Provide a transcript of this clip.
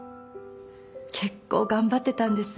結構頑張ってたんです。